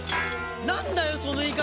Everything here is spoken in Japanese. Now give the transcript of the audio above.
なんだよその言い方！